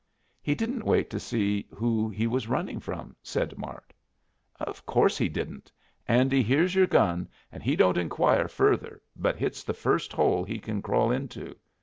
"He didn't wait to see who he was running from," said Mart. "Of course he didn't. Andy hears your gun and he don't inquire further, but hits the first hole he kin crawl into.